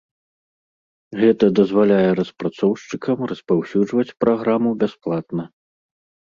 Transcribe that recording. Гэта дазваляе распрацоўшчыкам распаўсюджваць праграму бясплатна.